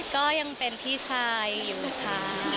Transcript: ก็ยังเป็นพี่ชายอยู่ค่ะ